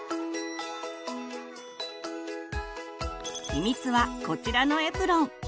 秘密はこちらのエプロン。